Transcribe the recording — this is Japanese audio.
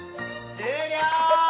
終了！